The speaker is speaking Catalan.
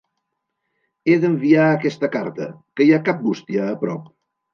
He d'enviar aquesta carta. Que hi ha cap bústia a prop?